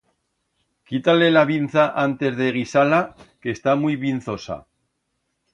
Quita-le la binza antes de guisar-la, que está muit binzosa.